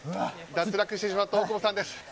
脱落してしまった大久保さんです。